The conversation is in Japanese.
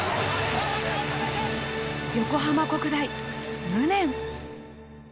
横浜国大無念！